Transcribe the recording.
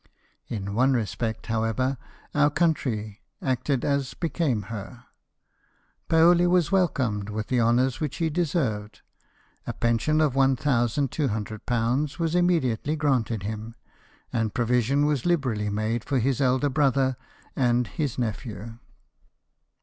In one respect, however, our country acted as became her. Paoli was welcomed with the honours which he deserved, a pension of £1,200 was immediately granted him ; and provision was liberally made for his elder brother and his nephew.